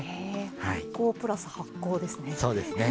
発酵プラス発酵ですね。